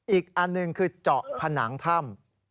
อีกอันหนึ่งคือเจาะผนังถ้ำ